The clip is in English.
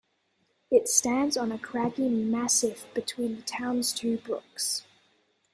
It stands on a craggy massif between the town's two brooks.